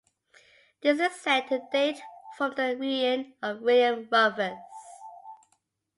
This is said to date from the reign of William Rufus.